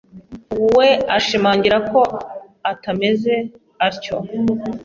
We ashimangira ko utameze atyo,